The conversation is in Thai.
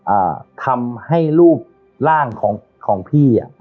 อ่าทำให้รูปร่างของของพี่อ่ะ